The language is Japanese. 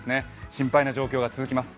心配な状況が続きます。